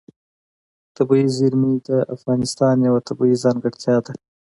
طبیعي زیرمې د افغانستان یوه طبیعي ځانګړتیا ده.